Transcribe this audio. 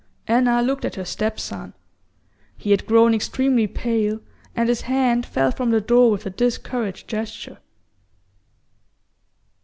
Anna looked at her step son. He had grown extremely pale, and his hand fell from the door with a discouraged gesture.